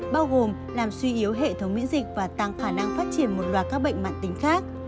bao gồm làm suy yếu hệ thống miễn dịch và tăng khả năng phát triển một loạt các bệnh mạng tính khác